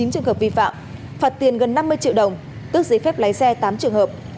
trường hợp vi phạm phạt tiền gần năm mươi triệu đồng tức giấy phép lái xe tám trường hợp